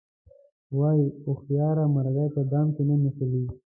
وایي هوښیاره مرغۍ په دام کې نه نښلي.